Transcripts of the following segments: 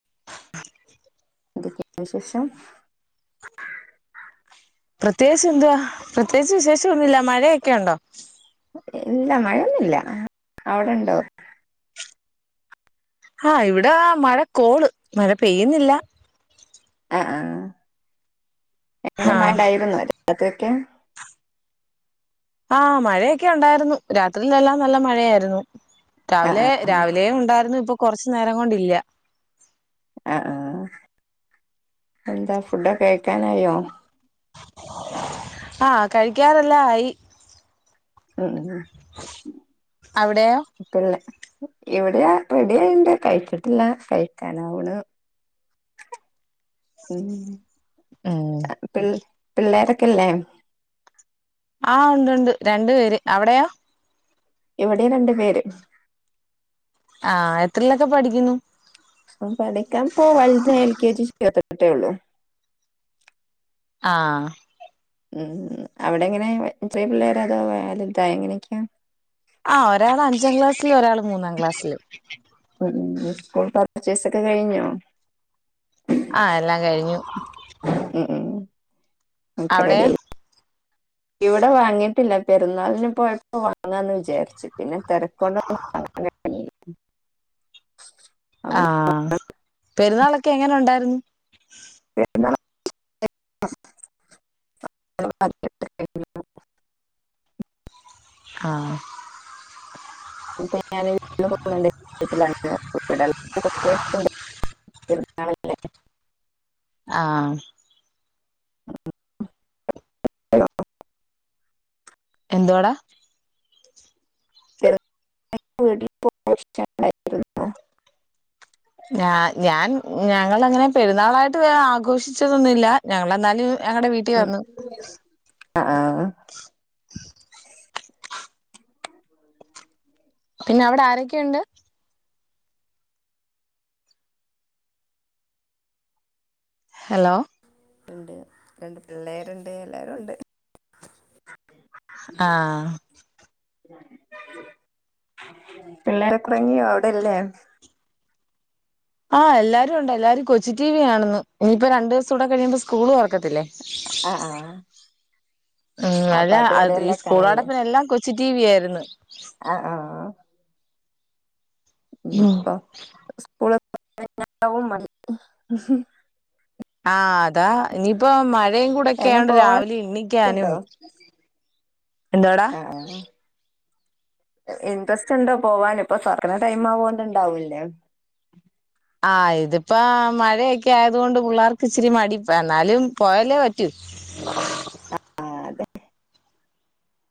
[inaudible] എന്തൊക്കെ വിശേഷം പ്രതേകിച്ച് എന്തുവാ പ്രതേകിച്ചു വിശേഷൊന്നുല്ല മഴയൊക്കെ ഉണ്ടോ ഇല്ല മഴയൊന്നുല്ല അവടെയിണ്ടോ ആഹാ ഇവിടെ ആ മഴകോള് മഴ പെയ്യുന്നില്ല. ആഹ് ആഹ് ആ എങ്ങനെ മഴണ്ടായിരുന്നൊ അവിടെയൊക്കെ ആഹ് മഴയൊക്കെണ്ടായിരുന്നു രാത്രിയിലെല്ലാം നല്ല മഴയായിരുന്നു ആഹ് രാവിലെ ആഹ് രാവിലെയുംണ്ടായിരുന്നു ഇപ്പൊ കൊറച്ചു നേരം കൊണ്ടില്ല ആഹ് ആഹ് എന്താ ഫുഡൊക്കൊ കഴിക്കാനായോ ആഹ് കഴിക്കാറേല്ലാം ആയി ഉം അവിടെയോ പിന്നെ ഇവിടെയാ റെഡിയായിട്ടുണ്ട് കഴിച്ചിട്ടില്ല കഴിക്കനാവിണ് ഉം ഉം പിൽ പിള്ളോരൊക്കെല്ലേ ആഹ് ഉണ്ട് ഉണ്ട് രണ്ടു പേര് അവിടെയോ. ഇവിടെയും രണ്ടു പേര് ആഹ് എത്രിലൊക്കെ പഠിക്കുന്നു, ആഹ് പഠിക്കാൻ ഇപ്പോ വലുതിനെ എൽ കെ ജി ചേർത്തിട്ടേയുള്ളൂ ആഹ് ഉം അവിടെ എങ്ങനെ ഇത്രയും പിള്ളേര് അതോ വാ [unintelligible] ലും ഇതാ എങ്ങനെയൊക്കെയോ [unintelligible] ആഹ് ഒരാള് അഞ്ചാം ക്ലാസ്സിലും ഒരാള് മൂന്നാം ക്ലാസ്സിലും ഉം സ്കൂൾ പർച്ചേസൊക്കെ കഴിഞ്ഞോ ആ എല്ലാം കഴിഞ്ഞു ഉം ഉം ഒക്കെ അവിടെയോ റെഡിയായി ഇവിടെ വാങ്ങിട്ടില്ല പെരുന്നാളിന് പോയപ്പോ വാങ്ങാന്ന് വിചാരിച്ചു പിന്നെ തെരക്കൊണ്ട- അപ്പൊ ഇനി ആഹ് പെരുന്നാളൊക്കെ എങ്ങനെണ്ടായിരുന്നു. [unintelligible] ആഹ് ഇപ്പൊ ഞാന് പോണ്ട് [unintelligible] വീട്ടിലണ്ട് ഇടയിട്ട [unintelligible] [unintelligible] ആഹ് ആ [unintelligible] എന്തുവാടാ എ വീട്ടിൽ പോ [unintelligible] ഞാ ഞാൻ ഞങ്ങളങ്ങനെ പെരുന്നാളായിട്ട് ആഘോഷിച്ചതൊന്നുമില്ല, ഞങ്ങളെന്നാലും ഞങ്ങളടെ വീട്ടിൽ ഉം. വന്നു ആ ആ. പിന്നെ അവിടെ ആരൊക്കെയുണ്ട് ഹലോ? ഉണ്ട് രണ്ട് പിള്ളേരുണ്ട് എല്ലാരും ഒണ്ട് ആഹ് പിള്ളേരൊക്കെ ഒറങ്ങിയോ അവിടെല്ലേ ആഹ് എല്ലാരുണ്ട് എല്ലാരും കൊച്ചി ടി വി കാണുന്നു ഇനിയിപ്പോ രണ്ട് ദിവസകൂടെ കഴിയുമ്പ സ്കൂൾ തൊറക്കത്തില്ലേ. ആഹ് ആഹ് ഉം അല്ല ഈ എല്ലാം കാണല്ലേ സ്കൂളടപ്പിന്എല്ലാം കൊച്ചി ടി വി ആയിരുന്നു. ആ ഹ് ആഹ് ഇനിപ്പോ സ്കൂളും മ [unintelligible] ആ ആഹ് അതാ ഇനിപ്പോ- രയുംകൂടെ എന്നെ ഒക്കെയാണ് പോവാനൊക്കെ രാവിലെ എണ്ണിക്കാനും ഉണ്ടോ എന്താടാ ആഹാ ഇൻറസ്റ്റ്ഉണ്ടോ പോവാൻ ഇപ്പോ തൊറക്ണ ടൈം ആവോണ്ടാവൂല്ലേ ആഹാ ഇതിപ്പോ മഴയൊക്കെ ആയത കൊണ്ട് പിള്ളേർക്ക് ഇച്ചിരി മടിപ്പം എന്നാലും പോയല്ലേ പറ്റൂ [inaudible]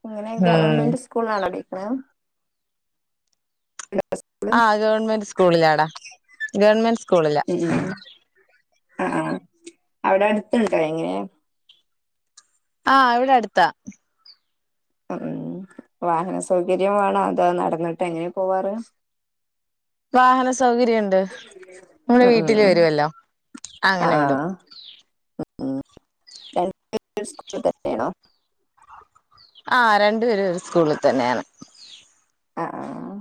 എങ്ങനെ ഉം ഗവണ്മെന്റ് സ്കൂളാണ് പഠിക്കണ് ഉം ആ ഗവൺമെന്റ് സ്കൂളിലാടാ ഗവൺമെന്റ് സ്കൂളില ഉം ആഹാ അവിടെ അടുത്തുണ്ടോ എങ്ങനെ ആഹ് ഇവിടെ അടുത്താ ഉം വാഹന സൗകര്യം വേണോ അതോ നടന്നിട്ട് എങ്ങനെ പോവാറ് വാഹന സൗകര്യണ്ട് നമ്മുടെ ഉം വീട്ടിൽ ഉം വരുല്ലോ അങ്ങനെ വിടും ആഹ് എൽ സ്കൂൾത്. ആ രണ്ടുപേരും ഒരു സ്കൂളിൽ തന്നെയാണ് ആഹ ആഹാ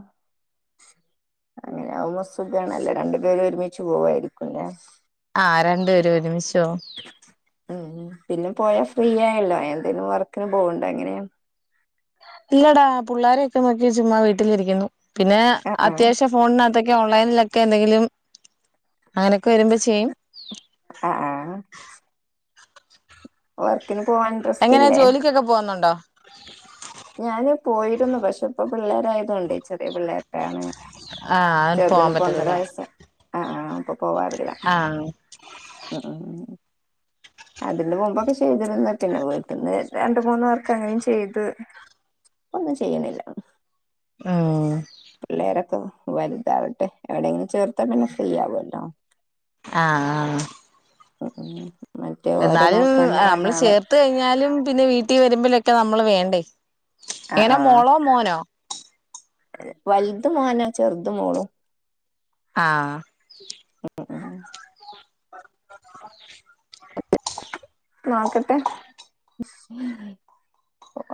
അങ്ങനെകുമ്പ സുഖ ആണല്ലേ രണ്ടു പേരും ഒരുമിച്ച് പോവായിരിക്കുംല്ലേ ആഹ രണ്ടുപേരും ഒരുമിചോവും ഉം പിന്നെ പോയാൽ ഫ്രീ ആയല്ലോ എന്തേലും വർക്കിന് പോക്ണ്ടോ എങ്ങനെയ ഇല്ലടാ പുള്ളോരൊക്കെ നോക്കി ചുമ്മാ വീട്ടിലിരിക്കുന്നു പിന്നെ ആഹ് ആഹ് അത്യാവശ്യം ഫോണിനകത്തൊക്കെ ഓൺലൈനിലൊക്കെ എന്തെങ്കിലും അങ്ങനൊക്കെ വരുമ്പോൾ ചെയ്യും ആഹാ ആഹാ വർക്കിന് പോവാൻ ഇൻട്രസ്റ്റ് എങ്ങനെയാ ഇല്ലേ ജോലിക്കൊക്കെ പോകുന്നുണ്ടോ ഞാന് പോയിരുന്നു പക്ഷെ ഇപ്പ പിള്ളേരായതുകൊണ്ട് ചെറിയ പിള്ളേരുടൊണ് ആഹ് പോവാൻ ചെറുതിന് ഇപ്പൊ ഒന്നര പറ്റത്തില്ല വയസ്സ് ആഹ ഇപ്പൊ പോവാറില്ല ആഹ് ഉം ഇതിന്റെ മുമ്പൊക്കെ ചെയ്തിരുന്നു പിന്നെ വീട്ടിൽന്ന് രണ്ട മൂന്ന വർക്ക അങ്ങനും ചെയ്തു ഒന്നും ചെയ്യുണില്ല അഹ് പിള്ളേരൊക്കെ വലുതാവട്ടെ എവിടെങ്കിലും ചേർത്തപിന്നെ ഫ്രീയാവല്ലോ ആഹാ ആഹാ ഉം ഉം മറ്റേ ഓരെ എന്നാലും നോക്കാനും വേണം നമ്മള് ആളെ ചേർ ത്ത് കഴിഞ്ഞാലും പിന്നെ വീട്ടിൽ വരുമ്പോഴൊക്കെ നമ്മൾ വേണ്ടേ ആഹ് എങ്ങനെ ആഹ് മോളോ മോനോ വലുത് മോനാ ചെറുത മോളും ആഹാ [unintelligible] നോക്കട്ടെ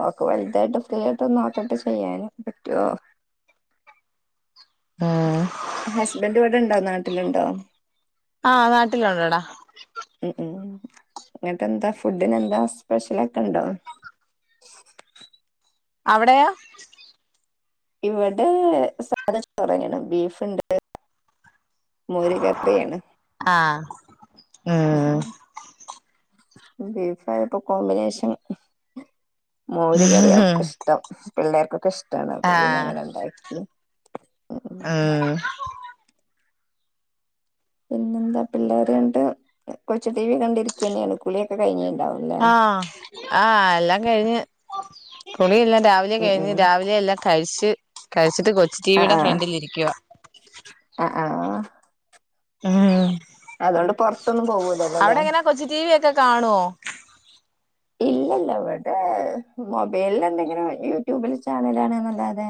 ഒക്കെ വലുതായിട്ട് ഫ്രീ ആയിട്ട ഒന്ന് നോക്കട്ടെ ചെയ്യാനും പറ്റൊ ഉം ഹസ്ബൻഡ് ഇവിടെ ഇണ്ടോ നാട്ടിലുണ്ടോ ആഹ് നാട്ടിലുണ്ടെടാ ഉം ഉം ഇന്നട്ടന്താ ഫുഡിന് എന്താ സ്പെഷ്യല ഒക്കെ ഉണ്ടോ അവിടെയൊ ഇവിടെ സാധചോറെന്നെണ് ബീഫുണ്ട് മോര് കറിയാണ് ആഹാ ഉം ബീഫായപ്പോ കോമ്പിനേഷൻ മോര് കറിയ ഇഷ്ടം പിള്ളേർക്കൊക്കെ ഇഷ്ടണ് അപ്പൊ പിന്നെ ആഹ് ങ്ങനെ ഉണ്ടാക്കി ഉം പിന്നെ എന്താ പിള്ളേർ രണ്ട് കൊച്ച ടിവി കണ്ടിരിക്കന്നെയാണ് കുളിയൊക്കെ കഴിഞ്ഞുണ്ടാവും ആഹ് ആഹ് എല്ലാം കഴിഞ്ഞ് കുളിയെല്ലാം രാവിലെ ഉം കഴിഞ്ഞ് ഉം രാവിലെ എല്ലാം കഴിച് കഴിച്ചിട്ട് കൊച്ചു ടിവിയുടെ ഫ്രണ്ടിൽ ഇരിക്കുവ ആഹ് ആഹ് ആഹ് ആഹ് അതോണ്ട് പുറത്തൊന്നും പോകൂലല്ലോ ല്ലേ കൊച്ച് ടിവി ഒക്കെ കാണുവോ ഇല്ലല്ല ഇവിടെ മൊബൈലിൽ എന്തെങ്കിലും യൂട്യൂബില് ചാനലാണ് നല്ലാതെ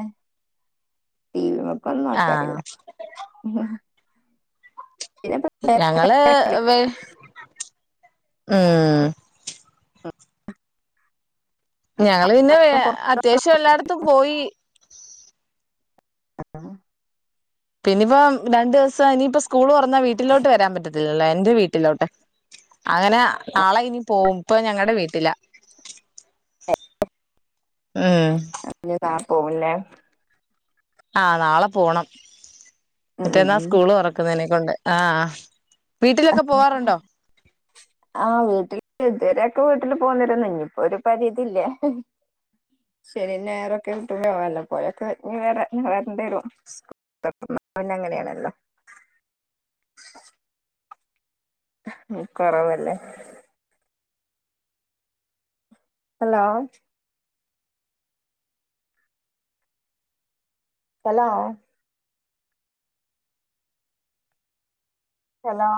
[unintelligible] ഒന്ന ആഹ് നക്കാറില്ല പിനെ ഞങ്ങള് വെ ഉം ഞങ്ങള് പിന്നെ വേ അത്യാവശ്യം എല്ലായിടത്തും പോയി പുറത്ത് പിന്നയിപ്പം രണ്ടു ദിവസം ഇനിയിപ്പപ്പോ സ്കൂള് തൊറന്നാ വീട്ടിലോട്ട് വരാൻ പറ്റത്തില്ലല്ലോ എന്റെ വീട്ടിലോട്ട് അങ്ങനെ നാളെ ഇനി പോകും ഇപ്പ ഞങ്ങളടെ വീട്ടില [inaudible] ഏഹ് ഞ താ പോവല്ലേ ആഹ് നാളെ പോണം ഉം ഉം മറ്റെന്നാ ഉം. സ്കൂള് ഉറക്കുന്നതിനെക്ക കൊണ്ട് ആഹ് വീട്ടിലൊക്കെ പോവാറുണ്ടോ? [inaudible] ആഹ് വീട്ടിൽ ഇതുവരൊക്കെ വീട്ടില് പോന്നരുന്നു ഇനിയിപ്പോ ഒരു പരിതില്ലേ ശനി നേറൊക്കെ കിട്ടുംല്ല പോയൊക്കെ ഇ വരണ്ടരും ന്ന അങ്ങനെയാണല്ലോ കൊറവല്ലേ ഹലോ ഹലോ ഹലോ